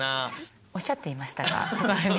「おっしゃっていましたが」とかね。